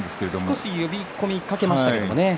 少し呼び込みかけましたね。